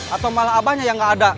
atau malah abahnya yang nggak ada